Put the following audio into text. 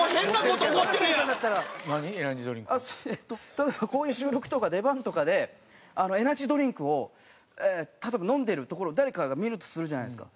例えばこういう収録とか出番とかでエナジードリンクを例えば飲んでるところを誰かが見るとするじゃないですか。